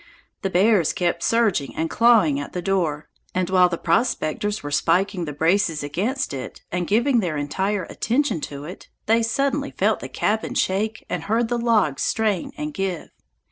The bears kept surging and clawing at the door, and while the prospectors were spiking the braces against it and giving their entire attention to it, they suddenly felt the cabin shake and heard the logs strain and give.